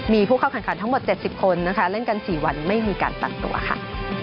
มีผู้เข้าแข่งขันทั้งหมด๗๐คนนะคะเล่นกัน๔วันไม่มีการตัดตัวค่ะ